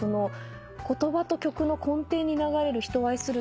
言葉と曲の根底に流れる人を愛する気持ち